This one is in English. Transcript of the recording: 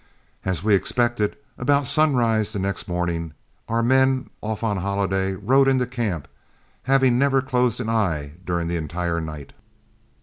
As we expected, about sunrise the next morning our men off on holiday rode into camp, having never closed an eye during the entire night.